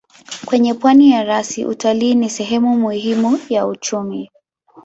Kwenye pwani ya rasi utalii ni sehemu muhimu ya uchumi.